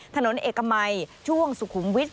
ถนนเอกมัยช่วงสุขุมวิทย